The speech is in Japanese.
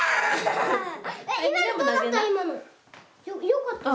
よかった？